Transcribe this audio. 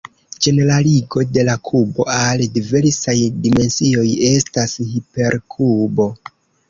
Ĝeneraligo de la kubo al diversaj dimensioj estas "hiperkubo".